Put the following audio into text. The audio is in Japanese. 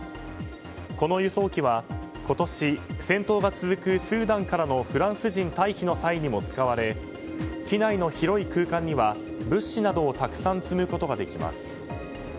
この輸送機は今年戦闘が続くスーダンからのフランス人退避の際にも使われ機内の広い空間には物資などをたくさん積むことができます。